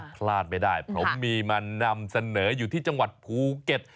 พลาดไม่ได้ผมมีมานำเสนออยู่ที่จังหวัดภูเก็ต